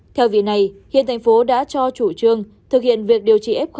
theo vị này hiện thành phố đã cho chủ trương thực hiện việc điều trị f